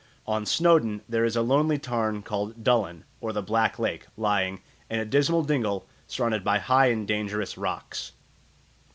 On Snowdon there is a lonely tarn called Dulyn, or the Black Lake, lying "in a dismal dingle surrounded by high and dangerous rocks."